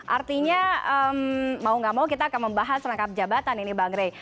artinya mau gak mau kita akan membahas rangkap jabatan ini bang rey